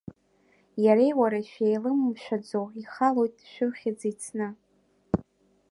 Иареи уареи шәеилымшәаӡо ихалоит шәыхьыӡ еицны.